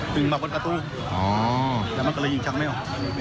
ถึงมาบนประตูอ๋อแล้วมันกำลังยิงชังแมว